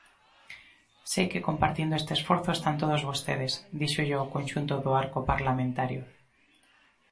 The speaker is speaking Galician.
"Sei que compartindo este esforzo están todos vostedes", díxolle ao conxunto do arco parlamentario.